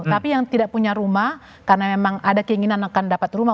tapi yang tidak punya rumah karena memang ada keinginan akan dapat rumah